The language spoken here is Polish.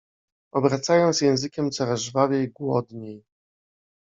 Obracając językiem coraz żwawiej, głodniej